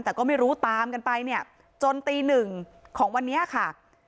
แต่ก็ไม่รู้ตามกันไปเนี่ยจนตีหนึ่งของวันนี้ค่ะ